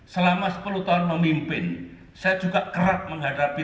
selama sepuluh tahun memimpin saya juga kerap menghadapi